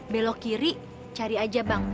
belok kiri cari aja bang